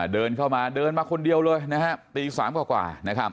เดินเข้ามาเดินมาคนเดียวเลยตี๓กว่า